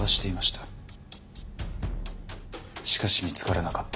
しかし見つからなかった。